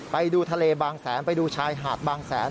ไปดูทะเลบางแสนไปดูชายหาดบางแสน